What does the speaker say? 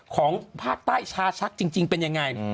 ของภาคใต้ชาชักจริงเป็นยังไง